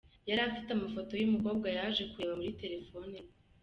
Yari afite amafoto y'umukobwa yaje kureba muri telefone ye.